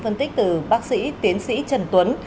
phân tích từ bác sĩ tiến sĩ trần tuấn